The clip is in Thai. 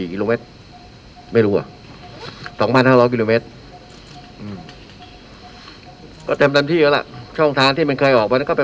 เขาก็รงก